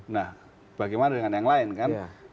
nah bagaimana dengan yang lain kan